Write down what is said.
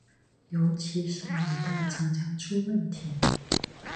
尤其是履带常常出问题。